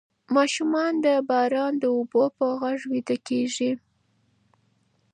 ماشومان د باران د اوبو په غږ ویده کیږي.